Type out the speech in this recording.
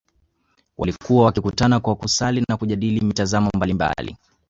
Walikuwa wakikutana kwa kusali na kujadili mitazamo mbalimbali